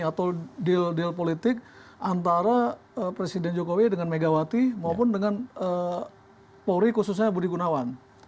atau deal deal politik antara presiden jokowi dengan megawati maupun dengan polri khususnya budi gunawan